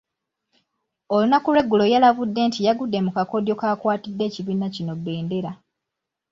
Olunaku lweggulo yalabudde nti yagudde mu kakodyo kakwatidde ekibiina kino bbendera.